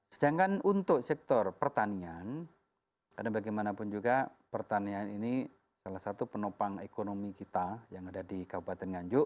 sedangkan untuk sektor pertanian karena bagaimanapun juga pertanian ini salah satu penopang ekonomi kita yang ada di kabupaten nganjuk